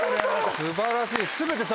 素晴らしい。